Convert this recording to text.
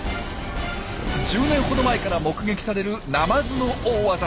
１０年ほど前から目撃されるナマズの大ワザ。